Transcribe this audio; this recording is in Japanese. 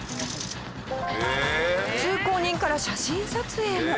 通行人から写真撮影も。